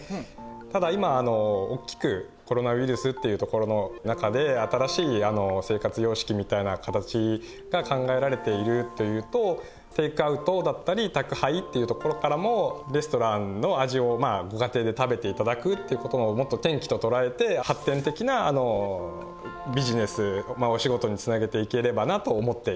ただ今大きくコロナウイルスっていうところの中でテイクアウトだったり宅配っていうところからもレストランの味をご家庭で食べていただくってことをもっと転機ととらえて発展的なビジネスお仕事につなげていければなと思っています。